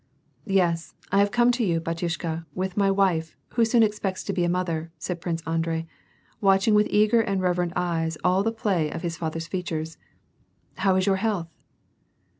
"Yes, I have come to you, batyushka, and with my wife, who soon expects to be a mother," said Prince Andrei, watch ing with eager and reverent eyes all the play of his father's features. '*' How is your health